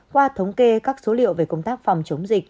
qua thống kê các số liệu về công tác phòng chống dịch